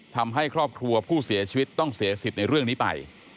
ทำให้ครอบครัวผู้เสียชีวิตต้องเสียสิทธิ์ในเรื่องนี้ไป